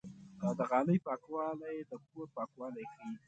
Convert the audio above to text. د غالۍ پاکوالی د کور پاکوالی ښيي.